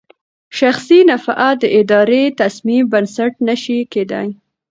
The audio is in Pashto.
شخصي نفعه د اداري تصمیم بنسټ نه شي کېدای.